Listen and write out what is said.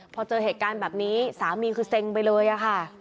พอเจอเหตุการณ์แบบนี้สามีคือเซ็งไปเลยอะค่ะ